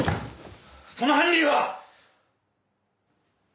その犯人は‼